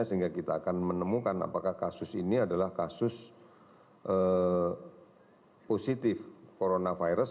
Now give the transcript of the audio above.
sehingga kita akan menemukan apakah kasus ini adalah kasus positif coronavirus